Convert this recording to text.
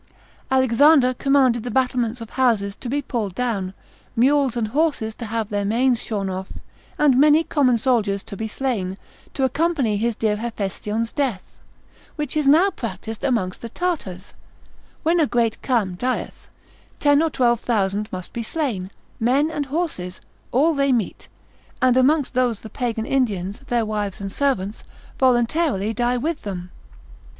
Alexander commanded the battlements of houses to be pulled down, mules and horses to have their manes shorn off, and many common soldiers to be slain, to accompany his dear Hephestion's death; which is now practised amongst the Tartars, when a great Cham dieth, ten or twelve thousand must be slain, men and horses, all they meet; and among those the Pagan Indians, their wives and servants voluntarily die with them.